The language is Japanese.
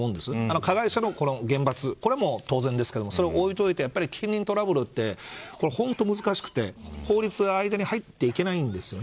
加害者の厳罰は当然ですけれどもそれを置いておいて近隣トラブルって本当に難しくて法律が間に入っていけないんですよね。